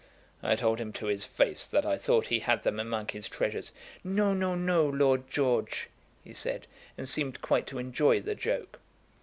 "I told him to his face that I thought he had them among his treasures. 'No, no, no, Lord George,' he said, and seemed quite to enjoy the joke.